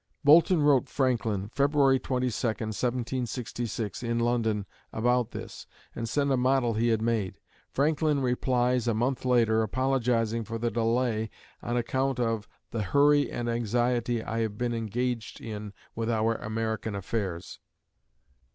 Boulton wrote Franklin, February 22, 1766, in London, about this, and sent a model he had made. Franklin replies a month later, apologising for the delay on account of "the hurry and anxiety I have been engaged in with our American affairs."